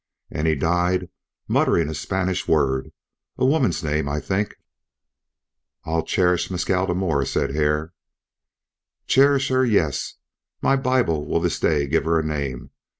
And he died muttering a Spanish word, a woman's name, I think." "I'll cherish Mescal the more," said Hare. "Cherish her, yes. My Bible will this day give her a name.